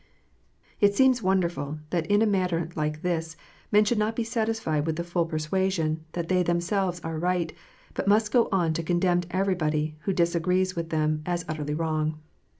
It seems wonderful, that in a matter like this, men should not be satisfied with the full persuasion that they themselves are right, but must also go on to condemn everybody who disagrees with them as utterly wrong